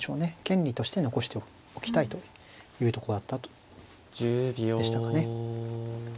権利として残しておきたいというとこだったとでしたかね。